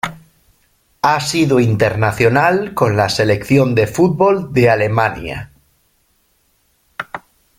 Ha sido internacional con la Selección de fútbol de Alemania.